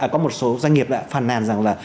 có một số doanh nghiệp đã phàn nàn rằng là